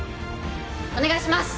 お願いします！